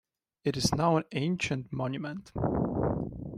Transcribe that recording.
It is now an ancient monument.